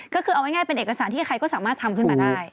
ก็คือเอาง่ายเป็นเอกสารที่ใครก็สามารถทำขึ้นมาได้